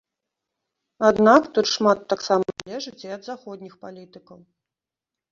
Аднак тут шмат таксама залежыць і ад заходніх палітыкаў.